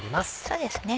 そうですね。